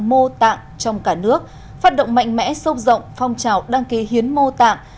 mô tạng trong cả nước phát động mạnh mẽ sâu rộng phong trào đăng ký hiến mô tạng